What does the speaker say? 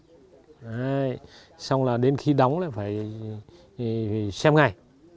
đấy xong là đến khi đóng là phải xem ngay